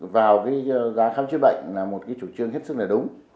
vào cái giá khám chứa bệnh là một cái chủ trương hết sức là đúng